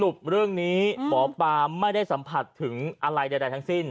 เรื่องนี้หมอปลาไม่ได้สัมผัสถึงอะไรใดทั้งสิ้น